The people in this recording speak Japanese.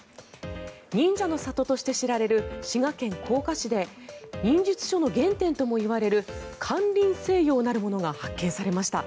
忍者の里として知られる滋賀県甲賀市で忍術書の原典ともいわれる「間林清陽」なるものが発見されました。